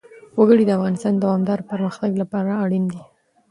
وګړي د افغانستان د دوامداره پرمختګ لپاره اړین دي.